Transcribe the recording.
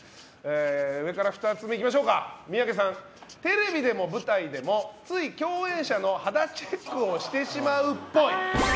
上から２つ目、テレビでも舞台でもつい共演者の肌チェックをしてしまうっぽい。